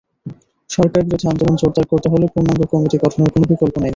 সরকারবিরোধী আন্দোলন জোরদার করতে হলে পূর্ণাঙ্গ কমিটি গঠনের কোনো বিকল্প নেই।